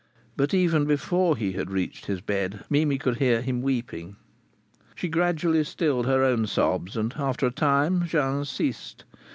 But even before he had reached his bed Mimi could hear him weeping. She gradually stilled her own sobs, and after a time Jean's ceased.